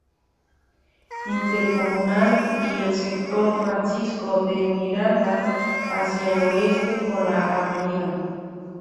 Intercomunal y el Sector Francisco de Miranda; hacia el oeste con la Av.